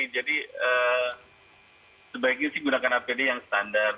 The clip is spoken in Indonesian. sebaiknya sih gunakan apd yang standar